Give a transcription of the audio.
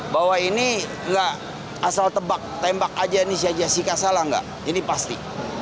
bahwa ini nggak asal tebak tembak aja ini sia jessica salah nggak ini pasti